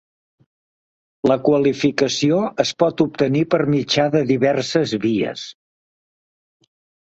La qualificació es pot obtenir per mitjà de diverses vies.